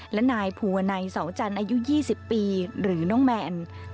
และนายภูวนัยเสาจันทร์อายุ๒๐ปีหรือน้องแมน